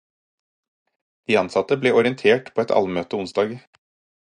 De ansatte ble orientert på et allmøte onsdag.